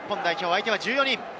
相手は１４人。